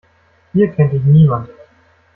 Hier kennt dich niemand.